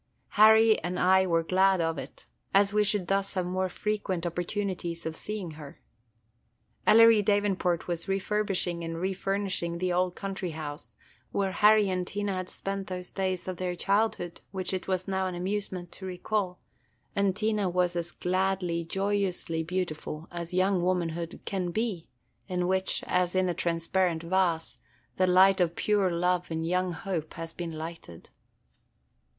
Harry and I were glad of it, as we should thus have more frequent opportunities of seeing her. Ellery Davenport was refurbishing and refurnishing the old country house, where Harry and Tina had spent those days of their childhood which it was now an amusement to recall, and Tina was as gladly, joyously beautiful as young womanhood can be in which, as in a transparent vase, the light of pure love and young hope has been lighted.